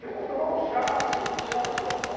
知らなかったです。